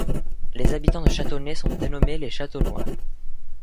Les habitants de Châtonnay sont dénommés les Chatonnois.